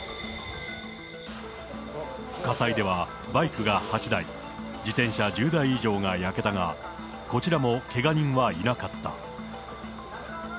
火災ではバイクが８台、自転車１０台以上が焼けたが、こちらもけが人はいなかった。